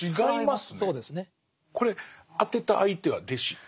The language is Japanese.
これ宛てた相手は弟子？